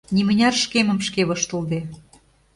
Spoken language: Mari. Нимыняр шкемым шке воштылде.